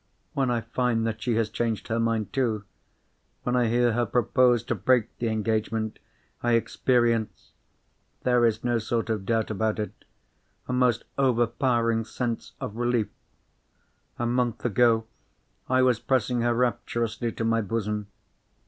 When I find that she has changed her mind too—when I hear her propose to break the engagement—I experience (there is no sort of doubt about it) a most overpowering sense of relief. A month ago I was pressing her rapturously to my bosom.